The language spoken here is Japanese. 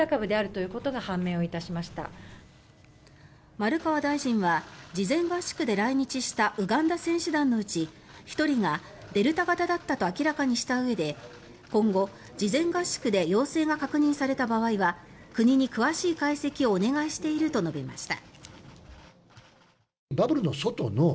丸川大臣は事前合宿で来日したウガンダ選手団のうち１人がデルタ型だったと明らかにしたうえで今後、事前合宿で陽性が確認された場合は国に詳しい解析をお願いしていると述べました。